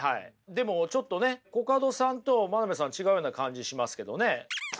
でもちょっとねコカドさんと真鍋さん違うような感じしますけどね。